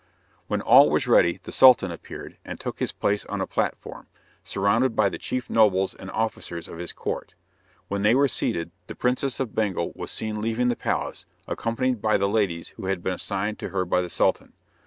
When all was ready, the Sultan appeared, and took his place on a platform, surrounded by the chief nobles and officers of his court. When they were seated, the Princess of Bengal was seen leaving the palace, accompanied by the ladies who had been assigned to her by the Sultan.